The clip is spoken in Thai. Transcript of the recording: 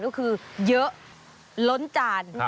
ก็คือเยอะล้นจาน